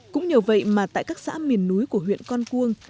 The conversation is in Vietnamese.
cũng nhờ vậy mà tại các xã miền núi của huyện con cuông